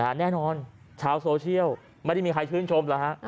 แน่นอนชาวโซเชียลไม่ได้มีใครชื่นชมแล้วฮะ